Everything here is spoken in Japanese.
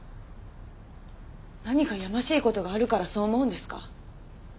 何かやましい事があるからそう思うんですか？